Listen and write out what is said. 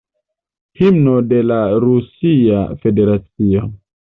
Himno de la Rusia Federacio.